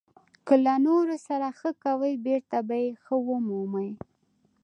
• که له نورو سره ښه کوې، بېرته به یې ښه ومومې.